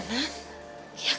tante gak usah khawatir